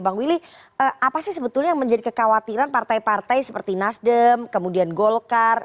bang willy apa sih sebetulnya yang menjadi kekhawatiran partai partai seperti nasdem kemudian golkar